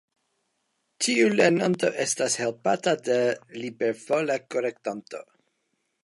Ĉiu lernanto estas helpata de libervola korektanto.